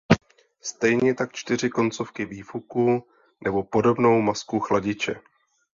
Stejně tak čtyři koncovky výfuku nebo podobnou masku chladiče.